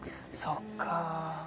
そっかぁ。